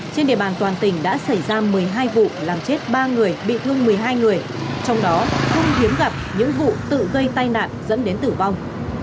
trên địa bàn toàn tỉnh đã xảy ra một mươi hai vụ làm chết ba người bị thương một mươi hai người trong đó không hiếm gặp những vụ tự gây tai nạn dẫn đến tử vong